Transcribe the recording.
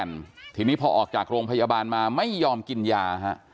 ทีนี้พอออกจากโรงพยาบาลมาไม่ยอมกินยาฮะ